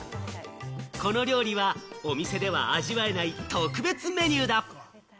この料理は、お店では味わえない特別メニューだ。